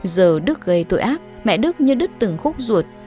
giờ đức gây tội ác mẹ đức như đứt từng khúc ruột